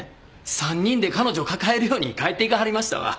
３人で彼女抱えるように帰っていかはりましたわ。